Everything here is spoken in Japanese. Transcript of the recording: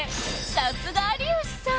さすが有吉さん